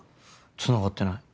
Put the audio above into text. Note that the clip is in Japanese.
つながってない。